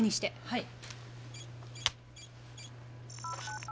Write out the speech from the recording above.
はい。